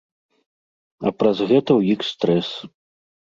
А праз гэта ў іх стрэс.